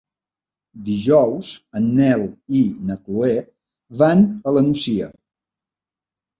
Dijous en Nel i na Chloé van a la Nucia.